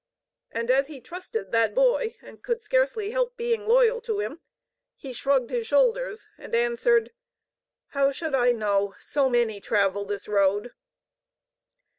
And as he trusted that boy and could scarcely help being loyal to him, he shrugged his shoulders and answered: "How should I know? So many travel this road."